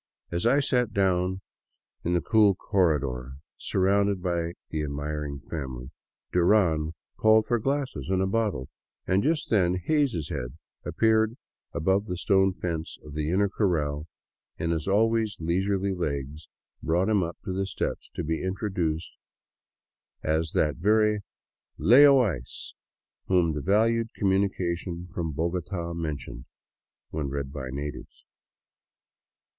As I sat down in the cool corredor, surrounded by the admiring family, Duran called for glasses and a bottle, and just then Hays' head appeared above the stone fence of the inner corral and his always leisurely legs brought him up the steps to be introduced as that very " Lay O Ice " whom the valued communication from Bogota mentioned — when read by natives.